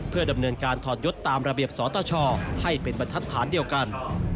เพื่อดำเนินการถอดยศตามระเบียบสตชให้เป็นบรรทัศน์เดียวกัน